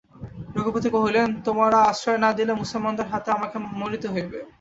রঘুপতি কহিলেন, তোমরা আশ্রয় না দিলে মুসলমানদের হাতে আমাকে মরিতে হইবে।